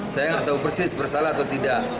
saya nggak tahu persis bersalah atau tidak